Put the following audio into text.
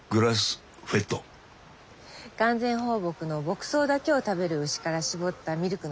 完全放牧の牧草だけを食べる牛から搾ったミルクのこと。